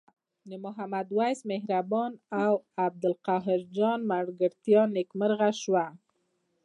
د محمد وېس مهربان او عبدالقاهر جان ملګرتیا نیکمرغه شوه.